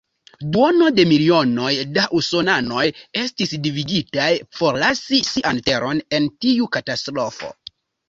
Duono de milionoj da usonanoj estis devigitaj forlasi sian teron en tiu katastrofo.